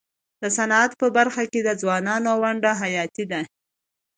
د صنعت په برخه کي د ځوانانو ونډه حیاتي ده.